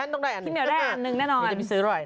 ต้องได้อันนึง